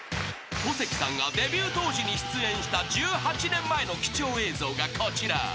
［小関さんがデビュー当時に出演した１８年前の貴重映像がこちら］